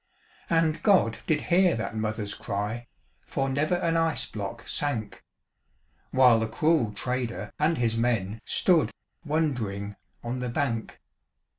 And God did hear that mother's cry, For never an ice block sank; While the cruel trader and his men Stood wondering on the bank.